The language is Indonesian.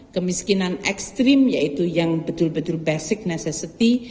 kemiskinan ekstrim yaitu yang betul betul basic necessity